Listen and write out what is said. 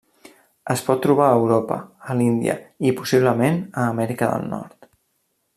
Es pot trobar a Europa, a l'Índia, i possiblement a Amèrica del Nord.